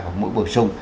hoặc mũi bờ sung